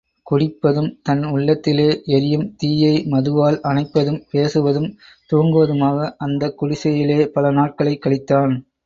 குடிப்பதும், தன் உள்ளத்திலே எரியும் தீயை மதுவால் அணைப்பதும், பேசுவதும், தூங்குவதுமாக அந்தக் குடிசையிலே பல நாட்களைக் கழித்தான்.